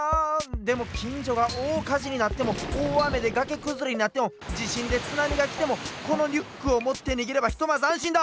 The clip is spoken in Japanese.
でもきんじょがおおかじになってもおおあめでがけくずれになってもじしんでつなみがきてもこのリュックをもってにげればひとまずあんしんだ！